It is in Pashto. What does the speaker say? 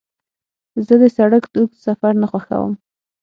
زه د سړک اوږد سفر نه خوښوم.